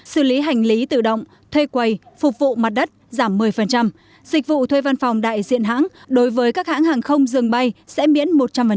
xử lý hành lý tự động thuê quầy phục vụ mặt đất giảm một mươi dịch vụ thuê văn phòng đại diện hãng đối với các hãng hàng không dường bay sẽ miễn một trăm linh